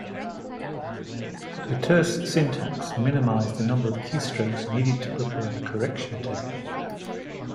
The terse syntax minimized the number of keystrokes needed to prepare the correction tape.